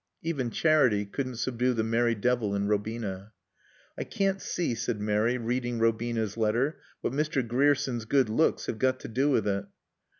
Even charity couldn't subdue the merry devil in Robina. "I can't see," said Mary reading Robina's letter, "what Mr. Grierson's good looks have got to do with it."